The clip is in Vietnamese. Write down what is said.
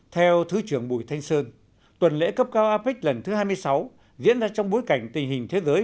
theo thứ trưởng bùi thanh sơn tuần lễ cấp cao apec lần thứ hai mươi sáu diễn ra trong bối cảnh tình hình thế giới